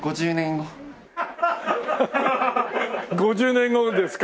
５０年後ですか。